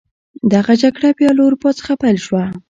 دغه جګړه بیا له اروپا څخه پیل شوه.